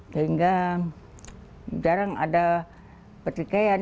sehingga jarang ada pertikaian